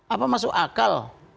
apa masuk akal